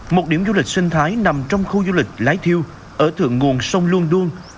một điểm du lịch sinh thái nằm trong khu du lịch lái thiêu ở thượng nguồn sông luôn đuông